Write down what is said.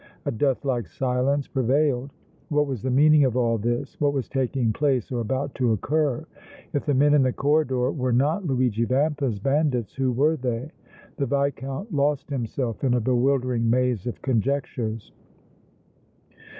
A deathlike silence prevailed. What was the meaning of all this? What was taking place or about to occur? If the men in the corridor were not Luigi Vampa's bandits, who were they? The Viscount lost himself in a bewildering maze of conjectures.